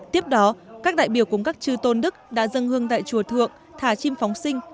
tiếp đó các đại biểu cùng các chư tôn đức đã dâng hương tại chùa thượng thà chim phóng sinh